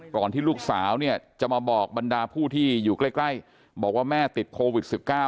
ที่ลูกสาวเนี่ยจะมาบอกบรรดาผู้ที่อยู่ใกล้บอกว่าแม่ติดโควิด๑๙